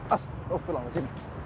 as oh film di sini